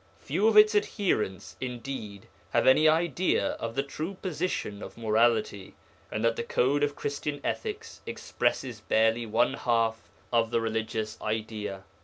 Few of its adherents, indeed, have any idea of the true position of morality, and that the code of Christian ethics expresses barely one half of the religious idea.